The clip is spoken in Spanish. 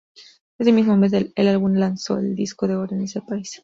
Ese mismo mes el álbum alcanzó el disco de oro en ese país.